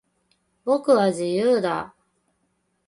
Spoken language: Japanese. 僕は、自由だ。